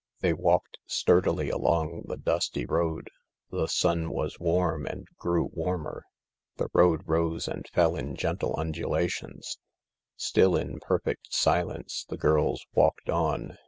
They walked sturdily along the dusty road. The sun was warm and grew warmer. The road rose 86 THE LARK and fell in gentle undulations. Still in perfect silence the girls walked on.